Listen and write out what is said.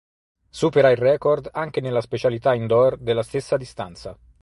Supera il record anche nella specialità indoor della stessa distanza.